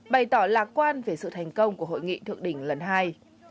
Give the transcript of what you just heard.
bày tỏ lạc quan về sự thành công của hội nghị thượng đỉnh lần hai